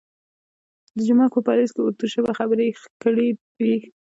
د جومک په پالیز کې اردو ژبه خبرې کړې وې.